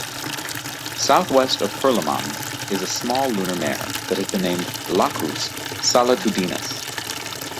Southwest of Perel'man is a small lunar mare that has been named Lacus Solitudinis.